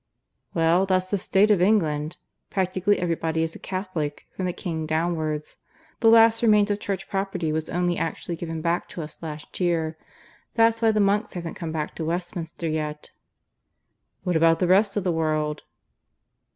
"Well, that's the state of England. Practically everybody is a Catholic from the King downwards. The last remains of Church property was only actually given back to us last year. That's why the monks haven't come back to Westminster yet." "What about the rest of the world?"